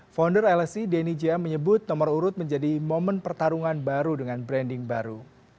founder lsi denny ja menyebut nomor urut menjadi momen pertarungan baru dengan branding baru